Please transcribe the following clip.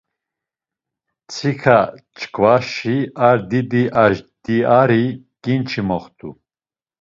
Mtsika çkvaşi ar didi ajdiari ǩinçi moxtu.